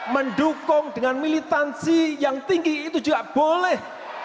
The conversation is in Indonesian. mendukung dengan militansi yang tinggi itu juga boleh